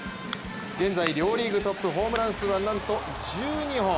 現在両リーグトップホームラン数はなんと１２本。